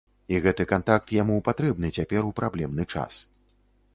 І гэты кантакт яму патрэбны цяпер у праблемны час.